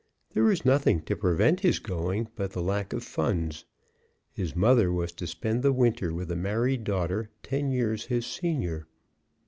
There was nothing to prevent his going but the lack of funds. His mother was to spend the winter with a married daughter, ten years his senior.